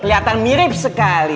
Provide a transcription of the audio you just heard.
kelihatan mirip sekali